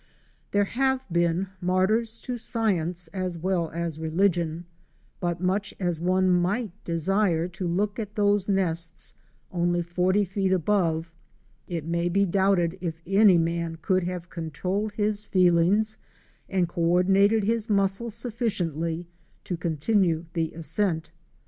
There have been martyrs to science as well as religion, but much as one might desire to look into those nests only forty feet above, it may be doubted if any man could have con trolled his feelings and coordinated his muscles sufficiently to continue the ascent.